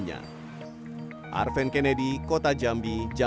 pemda jambi berharap pemerintah pusat mempertimbangkan agar tidak melarang impor pakaian bekas